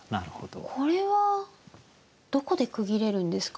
これはどこで区切れるんですか？